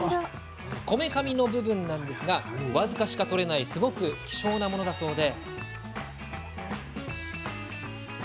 こめかみの部分なんですが僅かしか取れないすごく希少なものだそうで。